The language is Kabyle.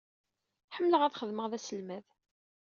Ḥemmleɣ ad xedmeɣ d aselmad.